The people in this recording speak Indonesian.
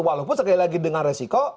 walaupun sekali lagi dengan resiko